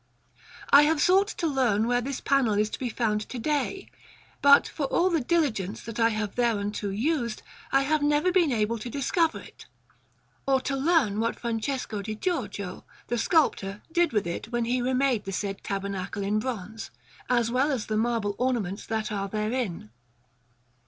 I have sought to learn where this panel is to be found to day, but, for all the diligence that I have thereunto used, I have never been able to discover it, or to learn what Francesco di Giorgio, the sculptor, did with it when he remade the said tabernacle in bronze, as well as the marble ornaments that are therein.